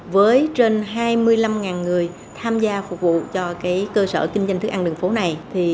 với trên hai mươi năm người tham gia phục vụ cho cơ sở kinh doanh thức ăn đường phố này